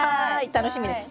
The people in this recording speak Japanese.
楽しみです。